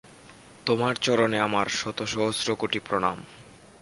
তোমার চরণে আমার শতসহস্রকোটি প্রণাম।